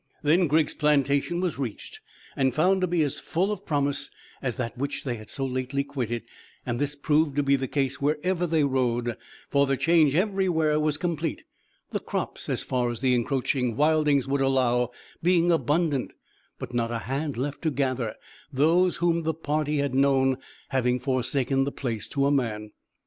Then Griggs' plantation was reached and found to be as full of promise as that which they had so lately quitted; and this proved to be the case wherever they rode, for the change everywhere was complete, the crops, as far as the encroaching wildings would allow, being abundant, but not a hand left to gather, those whom the party had known having forsaken the place to a man.